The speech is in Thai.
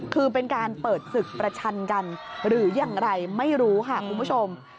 คือเป็นการเปิดศึกประชันกันหรืออย่างไรไม่รู้ค่ะคุณผู้ชม